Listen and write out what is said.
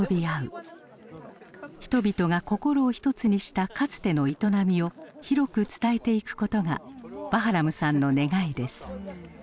人々が心を一つにしたかつての営みを広く伝えていくことがバハラムさんの願いです。